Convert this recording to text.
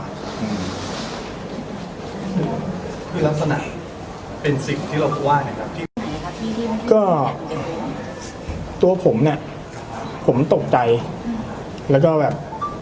คือลักษณะเป็นสิ่งที่เราว่าไงครับก็ตัวผมเนี่ยผมตกใจแล้วก็แบบ